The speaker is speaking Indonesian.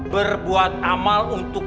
berbuat amal untuk